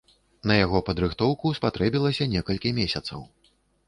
На яго падрыхтоўку спатрэбіліся некалькі месяцаў.